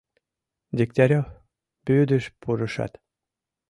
— Дегтярев, вӱдыш пурышат.